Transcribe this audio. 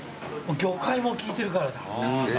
魚介も効いてるからだ。